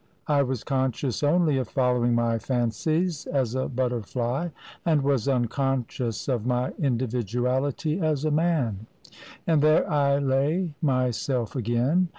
I was conscious only of following my fancies (as a butterfly) and was unconscious of my individuaUty as a man; and there I lay, myself again.